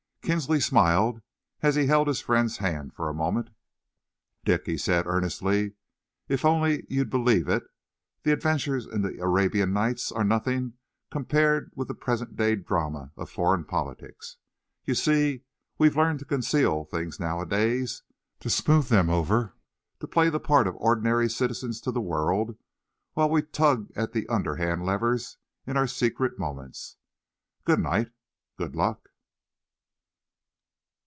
Kinsley smiled as he held his friend's hand for a moment. "Dick," he said earnestly, "if only you'd believe it, the adventures in the Arabian Nights were as nothing compared with the present day drama of foreign politics. You see, we've learned to conceal things nowadays to smooth them over, to play the part of ordinary citizens to the world while we tug at the underhand levers in our secret moments. Good night! Good luck!"